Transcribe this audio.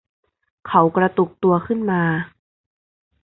เขากระตุกตัวขึ้นมา